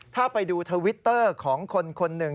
ถ้าไปดูทวิตเตอร์ของคนคนหนึ่ง